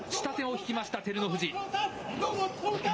下手を引きました、照ノ富士。